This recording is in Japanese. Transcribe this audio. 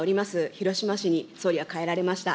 広島市に総理は帰られました。